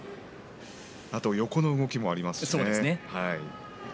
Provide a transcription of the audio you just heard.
あと、横の動きもありますしね。